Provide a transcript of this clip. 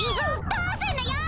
どうすんのよ！